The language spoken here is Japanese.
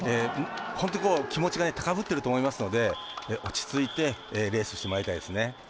本当、気持ちが高ぶっていると思いますので落ち着いてレースしてもらいたいですね。